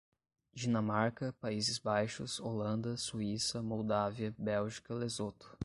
Dinamarca, Países Baixos, Holanda, Suíça, Moldávia, Bélgica, Lesoto